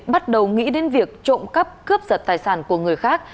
bắt đầu nghĩ đến việc trộm cắp cướp giật tài sản của người khác